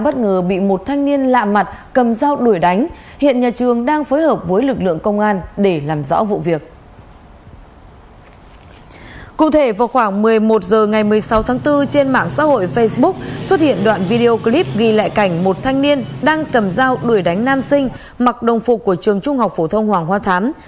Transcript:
từ một h ngày một mươi sáu tháng bốn trên mạng xã hội facebook xuất hiện đoạn video clip ghi lại cảnh một thanh niên đang cầm dao đuổi đánh nam sinh mặc đồng phục của trường trung học phổ thông hoàng hoa thám